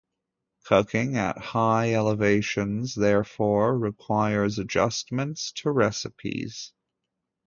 Cooking at high elevations, therefore, requires adjustments to recipes.